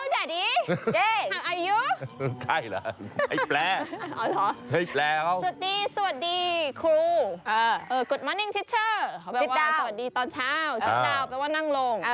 สวัสดีตอนเช้าสักนาวน์แปลว่านั่งลง